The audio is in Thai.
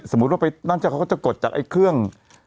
สมมุติว่าไปนั่นใช่เขาก็จะกดจากไอ้เครื่อง